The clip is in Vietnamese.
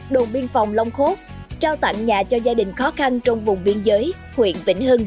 đồn biên phòng long khốt trao tặng nhà cho gia đình khó khăn trong vùng biên giới huyện vĩnh hưng